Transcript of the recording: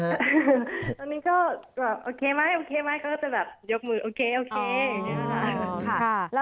ตอนนี้ก็แบบโอเคไหมโอเคไหมเขาก็จะแบบยกมือโอเคอย่างนี้แบบนั้น